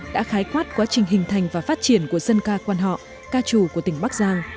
đã khái quát quá trình hình thành và phát triển của dân ca quan họ ca trù của tỉnh bắc giang